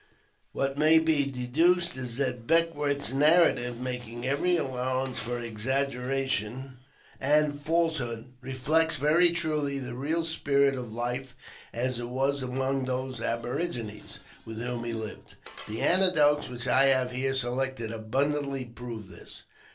What may be deduced is that Beck wourth's narrative, making every allowance for exaggera tion and falsehood, reflects very truly the real spirit of life as it was among those aborigines with whom he lived. The anecdotes which I have here selected abundantly prove this.